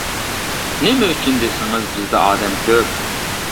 نېمە ئۈچۈن دېسىڭىز بىزدە ئادەم كۆپ.